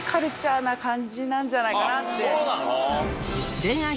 な感じなんじゃないかなって。